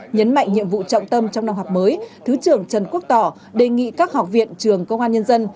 nhấn mạnh nhiệm vụ trọng tâm trong năm học mới thứ trưởng trần quốc tỏ đề nghị các học viện trường công an nhân dân